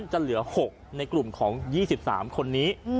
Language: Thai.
จะเหลือ๖ในกลุ่มของ๒๓คนนี้